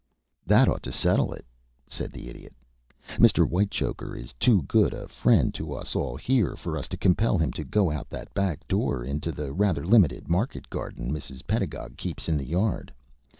"That ought to settle it," said the Idiot. "Mr. Whitechoker is too good a friend to us all here for us to compel him to go out of that back door into the rather limited market garden Mrs. Pedagog keeps in the yard.